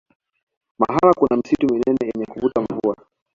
mahala kuna misitu minene yenye kuvuta mvua nyingi